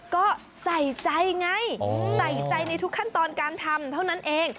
ก็ใส่ใจไงใส่ใจในทุกขั้นตอนการทำเท่านั้นเอง